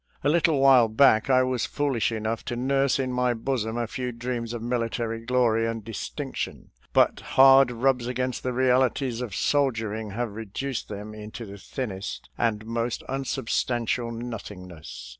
A little while back I was foolish enough to nurse in my bosom a few dreams of military glory and distinction, but hard rubs against the realities of soldiering have reduced them into the thinnest and most unsubstantial nothingness.